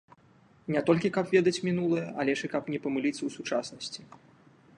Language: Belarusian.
Не толькі каб ведаць мінулае, але ж і каб не памыліцца ў сучаснасці.